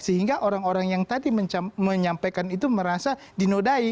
sehingga orang orang yang tadi menyampaikan itu merasa dinodai